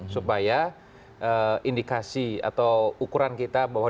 supaya indikasi atau ukuran kita bahwa